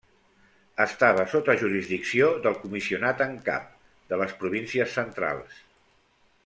Estava sota jurisdicció del comissionat en cap de les Províncies Centrals.